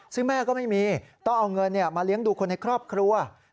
ซึ่งแม่ก็ไม่มีต้องเอาเงินมาเลี้ยงดูคนในครอบครัว